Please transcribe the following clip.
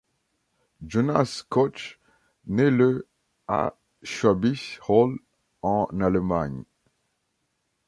Jonas Koch naît le à Schwäbisch Hall en Allemagne.